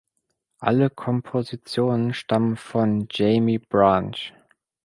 Alle Kompositionen stammen von Jaimie Branch.